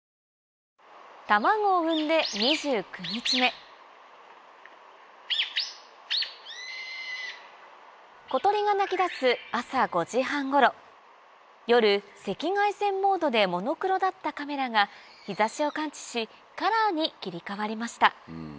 ニトリ小鳥が鳴き出す朝５時半ごろ夜赤外線モードでモノクロだったカメラが日差しを感知しカラーに切り替わりました